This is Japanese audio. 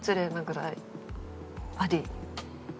あり。